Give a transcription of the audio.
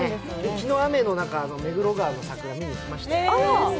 昨日雨の中、目黒川の桜、見に行きましたよ。